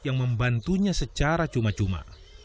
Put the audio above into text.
yang membantunya secara cuma cuma